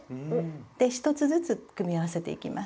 で１つずつ組み合わせていきます。